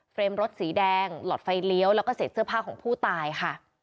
รถสีแดงหลอดไฟเลี้ยวแล้วก็เศษเสื้อผ้าของผู้ตายค่ะ